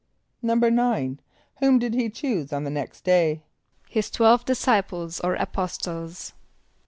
= =9.= Whom did he choose on the next day? =His twelve disciples or apostles.